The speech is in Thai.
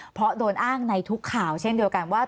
เพราะโดนอ้างในทุกข่าวเช่นเดียวกันว่า